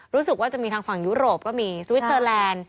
รู้สึกว่าจะมีทางฝั่งยุโรปก็มีสวิสเตอร์แลนด์